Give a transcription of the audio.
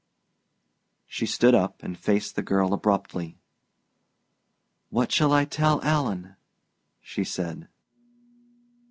She stood up and faced the girl abruptly. "What shall I tell Alan?" she said.